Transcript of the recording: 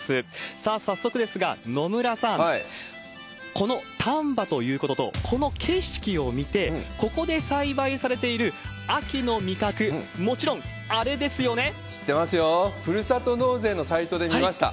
さあ、早速ですが、野村さん、この丹波ということと、この景色を見て、ここで栽培されている秋の味覚、知ってますよ、ふるさと納税のサイトで見ました。